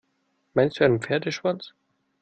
Meinst du einen Pferdeschwanz?